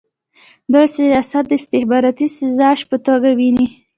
دوی سیاست د استخباراتي سازش په توګه ویني.